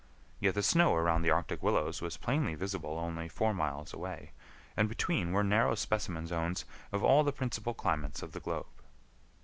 Yet the snow around the arctic willows was plainly visible only four miles away, and between were narrow specimen zones of all the principal climates of the globe.